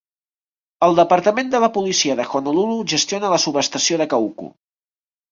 El departament de la policia de Honolulu gestiona la subestació de Kahuku.